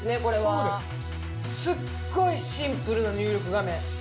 すっごいシンプルな入力画面。